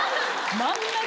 真ん中！